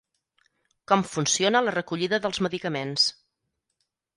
Com funciona la recollida dels medicaments.